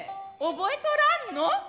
覚えとらんの？